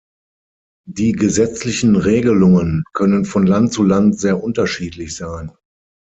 Die gesetzlichen Regelungen können von Land zu Land sehr unterschiedlich sein.